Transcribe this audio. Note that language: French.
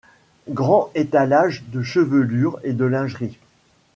Grand étalage de chevelures et de lingerie.